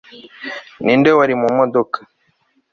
Ninde wari mu modoka